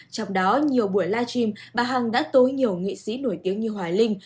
trong đó nhiều buổi live stream bà hằng đã tối nhiều nghị sĩ nổi tiếng như hòa linh